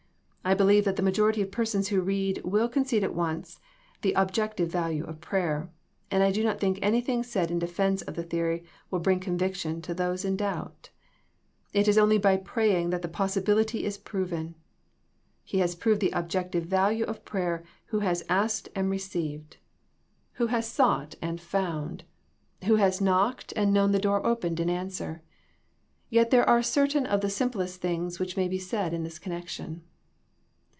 I believe that the majority of persons who read will concede at once the objective value of prayer, and I do not think anything said in defense of the theory will bring conviction to those in doubt. It is only by praying that the possibility is proven. He has proved the objective value of prayer who has asked and received, who has 19 20 THE PEACTICE OF PKAYER sought and found, who has knocked and known the door opened in answer. Yet there are cer tain of the simplest things which may be said in this connection.